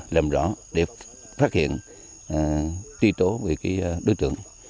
làm rõ để phát hiện tuy tố về cái đối tượng